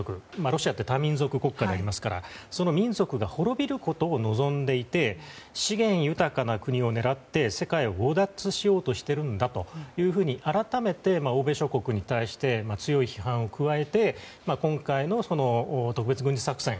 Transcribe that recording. ロシアって多民族国家ですからその民族が滅びることを望んでいて資源豊かな国を狙って、世界を強奪しようとしているんだと改めて、欧米諸国に対して強い批判を加えて今回の、その特別軍事作戦